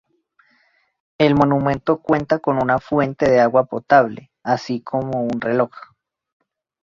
El monumento cuenta con una fuente de agua potable, así como un reloj.